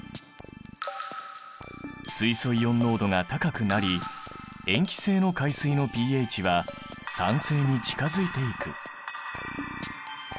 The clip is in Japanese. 水素イオン濃度が高くなり塩基性の海水のｐＨは酸性に近づいていく。